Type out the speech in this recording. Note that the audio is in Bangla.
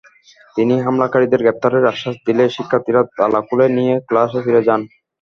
তিনি হামলাকারীদের গ্রেপ্তারের আশ্বাস দিলে শিক্ষার্থীরা তালা খুলে নিয়ে ক্লাসে ফিরে যান।